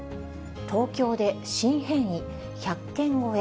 東京で新変異１００件超え。